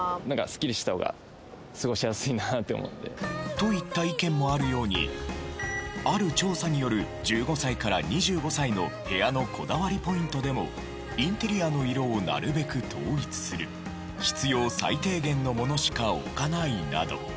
といった意見もあるようにある調査による１５歳から２５歳の部屋のこだわりポイントでも「インテリアの色をなるべく統一する」「必要最低限のものしか置かない」など。